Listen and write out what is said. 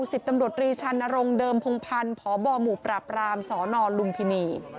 สิบตำรวจรีชานรงค์เดิมพงพันธ์พบหมู่ปราบรามสนลุมพินี